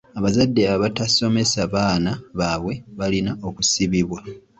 Abazadde abatasomesa baana baabwe balina okusibibwa.